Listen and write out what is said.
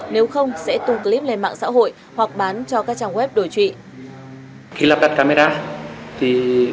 nếu không sẽ tung clip lên mạng xã hội hoặc bán cho các trang web đổi trụy